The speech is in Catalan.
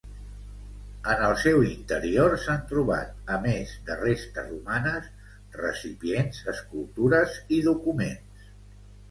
En el seu interior s'han trobat, a més de restes humanes, recipients escultures i documents.